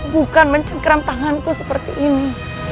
bukan mencengkram tanganku seperti ini